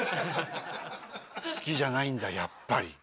好きじゃないんだやっぱり。